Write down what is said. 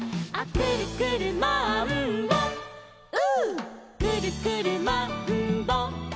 「くるくるマンボウ！」